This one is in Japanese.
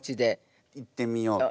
行ってみようと。